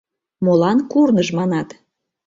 Молан курныж манат?